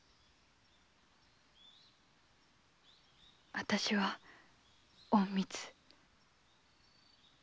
私は隠密